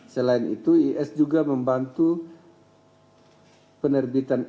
selain itu is juga membantu penerbitan